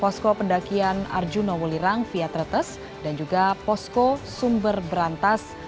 posko pendakian arjuna wulirang via tretes dan juga posko sumber berantas